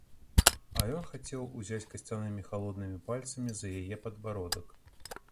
А ён хацеў узяць касцянымі халоднымі пальцамі за яе падбародак.